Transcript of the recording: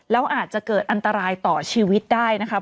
แล้วอาจจะเกิดอันตรายต่อชีวิตได้นะคะ